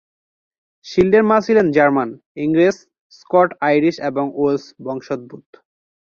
শিল্ডের মা ছিলেন জার্মান, ইংরেজ, স্কট-আইরিশ এবং ওয়েলস বংশোদ্ভূত।